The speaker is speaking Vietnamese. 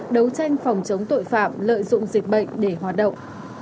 đấu tranh phòng chống tội phạm lợi dụng dịch bệnh để hoạt động